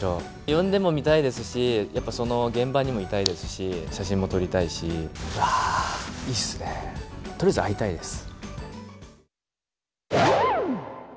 呼んでもみたいですし、やっぱその現場にもいたいですし、写真も撮りたいし、うわー、いいっすね、とりあえず会いたいです。